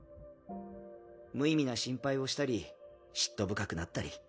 無意味な心配をしたり嫉妬深くなったり。